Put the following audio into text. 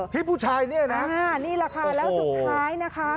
พี่ผู้ชายเนี่ยนะนี่แหละค่ะแล้วสุดท้ายนะคะ